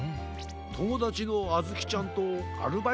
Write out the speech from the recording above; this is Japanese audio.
ともだちのあずきちゃんとアルバイトへいってるんです。